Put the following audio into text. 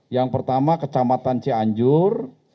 yang pertama kecamatan cianjur